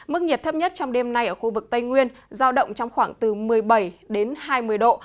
mức nhiệt thấp nhất trong đêm nay ở khu vực tây nguyên giao động trong khoảng từ một mươi bảy đến hai mươi độ